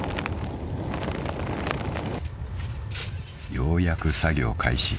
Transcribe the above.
［ようやく作業開始］